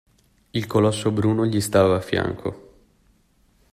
Il colosso bruno gli stava a fianco.